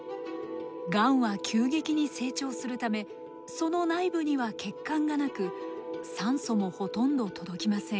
がんは急激に成長するためその内部には血管がなく酸素もほとんど届きません。